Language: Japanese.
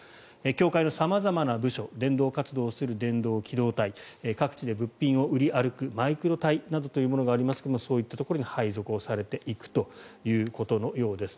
教会の様々な部署伝道活動をする伝道機動隊各地で物品を売り歩くマイクロ隊などというものがありますがそういったところに配属されていくということのようです。